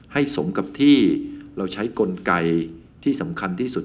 สมกับที่เราใช้กลไกที่สำคัญที่สุด